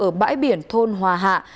ở bãi biển thôn hòa hạ